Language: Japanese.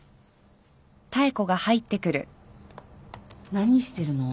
何してるの？